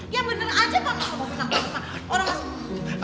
ya bener aja pak